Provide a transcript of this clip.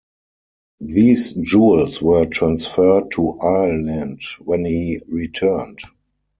These jewels were transferred to Ireland when he returned.